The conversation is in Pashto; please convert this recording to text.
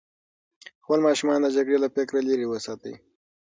خپل ماشومان د جګړې له فکره لرې وساتئ.